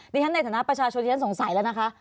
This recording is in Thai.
ดิฉันในฐานะประชาชนที่ฉันสงสัยแล้วนะคะ